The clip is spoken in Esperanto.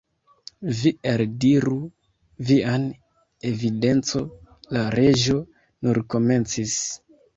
"Vi eldiru vian evidenco" la Reĝo nur komencis.